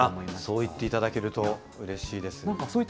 そう言っていただけるとうれしいです。